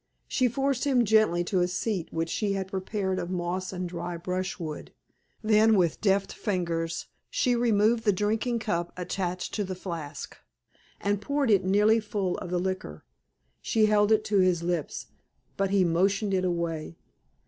She forced him gently to a seat which she had prepared of moss and dry brushwood. Then, with deft fingers, she removed the drinking cup attached to the flask, and poured it nearly full of the liquor. She held it to his lips, but he motioned it away.